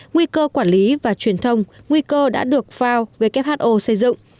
nguy cơ quản lý và truyền thông nguy cơ đã được fao who xây dựng